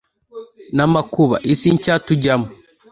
n'amakuba; isi nshya tujyamo,